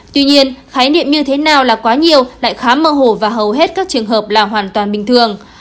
tuy nhiên khái niệm như thế nào là quá nhiều lại khá mơ hồ và hầu hết các trường hợp là hoàn toàn bình thường